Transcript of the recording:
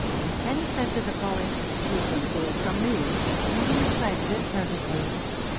Then he said to the poet: "Listen to it from me," and he recited it perfectly.